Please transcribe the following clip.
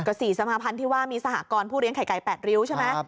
ก็๔สมาภัณฑ์ที่ว่ามีสหกรผู้เลี้ยไข่ไก่๘ริ้วใช่ไหม